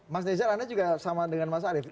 mas nezar anda juga sama dengan mas arief